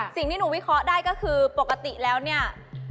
สิ่งที่หนูวิเคราะห์ได้ก็คือปกติแล้วเนี่ย